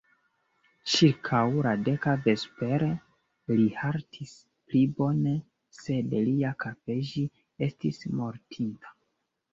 Ĉirkaŭ la deka vespere, li fartis pli bone, sed lia _kafeĝi_ estis mortinta.